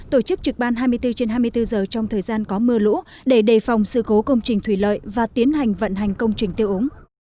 tổ chức trực ban hai mươi bốn trên hai mươi bốn giờ trong thời gian có mưa lũ để đề phòng sự cố công trình thủy lợi và tiến hành vận hành công trình tiêu ống